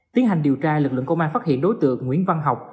tiến hành điều tra lực lượng công an phát hiện đối tượng nguyễn văn học